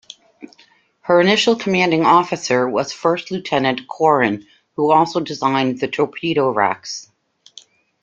Her initial commanding officer was First Lieutenant Koren, who also designed the torpedo racks.